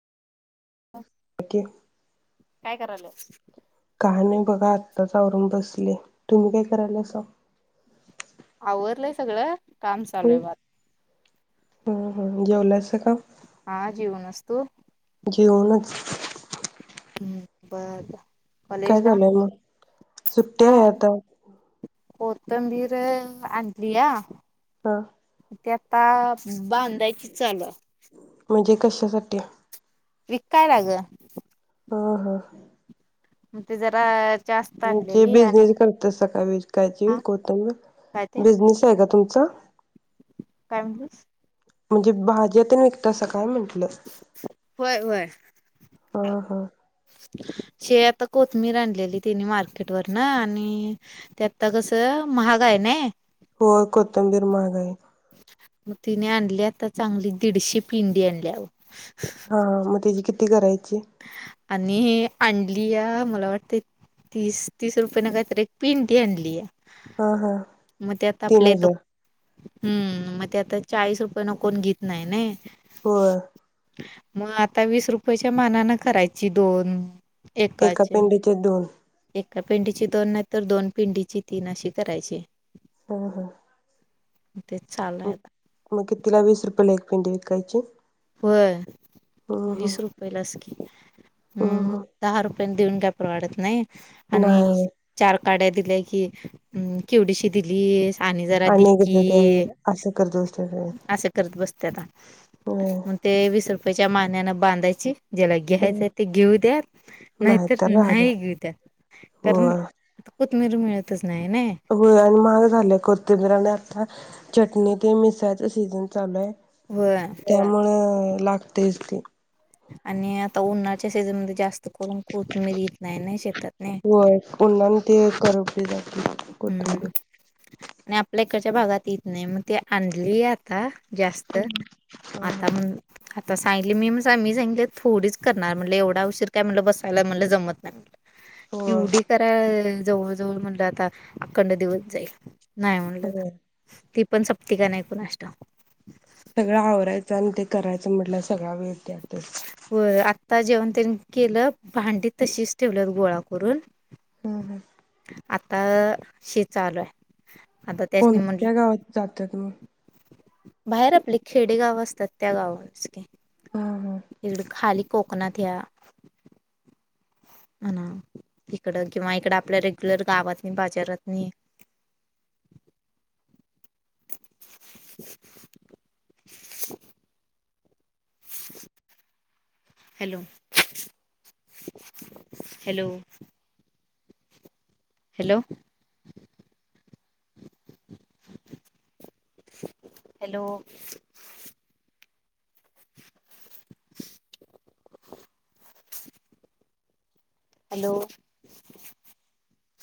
घे काय करालय? काय नाही बघा आत्ताच आवरून बसले तुम्ही काय करायलासा? आवरलंय सगळं काम चालूय बा हम हम जेवलास हा जेवणास तू? येऊनच........ हम्म बर..... काय कॉलेजला झालय मग, सुट्टी आहे आता. कोतंबीर आणलीया ह ते आता हम्म... बांधायची चालू हाय म्हणजे कशासाठी? विकायला ग हा हा म ते जरा.. जास्त म्हणजे आणलेली बिझनेस आणि करत असता का, विकायची हा काय कोतंबीर ते बिझनेस आहे का तुम च......... काय म्हणलीस? म्हणजे भाज्या तेन विकतासा काय म्हणलं? होय होय हा हा शे आता कोथमिर आणलेली तिनी मार्केट वरन आणि त्यात आता कसं महाग आहे ना. होय कोथंबीर महाग य... तिनि आणल्या आता चांगली दीडशे पिंडी आणल्याव हा मग त्याची किती कराय आणि हे अणलीया ह मला वाटतय तीस तीस रुपये ना काय तर एक पेंडी आणलीया. हा हा मग त्यात तीन आपल्या इत हजार हम्म मग ते आता चाळीस रुपये न कोण घीेत नाही नाय होय मग आता वीस रुपयाच्या मनान करायची दोन एका एकाचे पेंडीचे दोन.. एका पिंडीची दोन नाही तर दोन पिंडीची तीन अशी करायची हो हो ते चालू आहे मग आता मग कितीला वीस रुपये ला एक पेंडी विकायचीत. होय वीस रुपयलाच की हम्म हम्म दहा रुपयाने देऊन काय आपलं अडत नाई.. आणि नाही होय चार.. काड्या दिल्या की केवडीशी दिलीस आणि जरा एकदा ते देकी असं करत बसत्यात होय असं करत बसत्याता होय ती वीस रुपयाच्या मानण्यान बांधायची. ज्याला हम्म घ्यायचंय ते घेऊ द्यात नाही नाहीतर तर राहू दे नाही घेऊ द्यात कारण होय र [unintelligible] मिळतच नाही ना होय आणि महाग झालीय कोतिंबिर आणि आता चटणी ते मिसळायचं सीझन चालू आहे. होय त्यामुळं लागतंयच की, आणि आता उन्हाच्या सीझनमध्ये जास्त... खुडून कोथमीर येत नाही ना शेतात ने..... करपलेल हम्म आणि आपल्या इकच्या भागात इत नाही मग ते आणलीय आता जास्त हा आता हा म्हण. आता सांगितले मी मी सांगितल थोडीच करणार म्हणले एवढा उशीर काय मला बसायला म्हणलं जमत नाही म्हणलं होय एवढी करा जवळ जवळ म्हटलं आता अखंड दिवस जाईल. नाही म्हणलं त होय ती.... पण संपती का नाही कुणास ठाऊ... सगळं आवरायचं आणि ते करायचं म्हटलं सगळ्या वेळ त्यात होय आ आता जेवन त्यांने केलं.... भांडी हम्म तशीच ठेवल्यात गोळा.. करून [inaudible] आता शी चालू हाय. कोणत्या गावात जात्यात मग? बाहेर आपले खेडे गाव असतात त्या गावावरचं की. हम्म हम्म तिकडं खाली कोकणात ह्या हणा इकड किंवा इकड आपल्या रेग्युलर गावातनी बाजारातनी [inaudible] hello hello hello hello [inaudible] hello